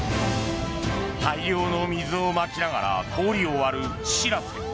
大量の水をまきながら氷を割る「しらせ」。